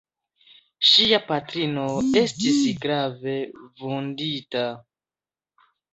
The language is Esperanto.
Ŝia patrino estis grave vundita.